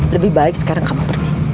lebih baik sekarang kamu pergi